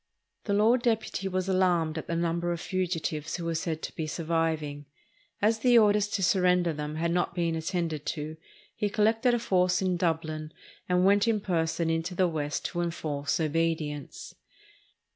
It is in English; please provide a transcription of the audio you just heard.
... The Lord Deputy was alarmed at the number of fugi tives who were said to be surviving. As the orders to surrender them had not been attended to, he collected a force in Dublin and went in person into the West to enforce obedience.